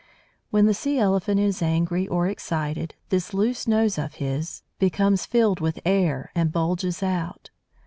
When the Sea elephant is angry or excited, this loose nose of his becomes filled with air, and bulges out.